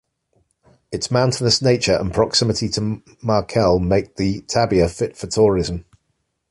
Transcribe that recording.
Its mountainous nature and proximity to Mekelle make the "tabia" fit for tourism.